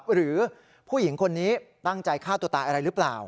หรือผู้หญิงคนนี้ตั้งใจฆ่าตัวตายอะไรหรือเปล่า